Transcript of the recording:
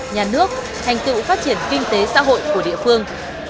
nước hành tựu phát triển kinh tế xã hội của địa phương